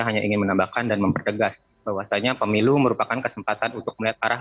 hanya ingin menambahkan dan mempertegas bahwasanya pemilu merupakan kesempatan untuk melihat arah